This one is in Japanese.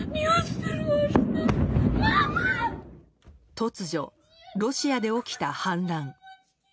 突如、ロシアで起きた反乱。